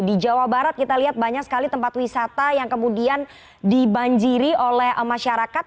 di jawa barat kita lihat banyak sekali tempat wisata yang kemudian dibanjiri oleh masyarakat